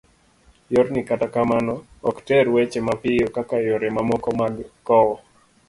yorni kata kamano, ok ter weche mapiyo kaka yore mamoko mag kowo